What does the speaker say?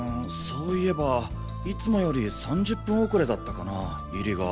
そういえばいつもより３０分遅れだったかな入りが。